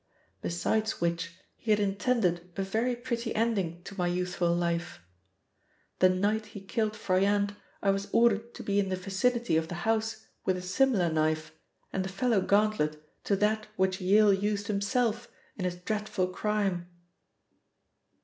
Besides which, he had intended a very pretty ending to my youthful life. The night he killed Froyant I was ordered to be in the vicinity of the house with a similar knife and the fellow gauntlet to that which Yale used himself in his dreadful crime."